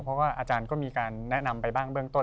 เพราะว่าอาจารย์ก็มีการแนะนำไปบ้างเบื้องต้น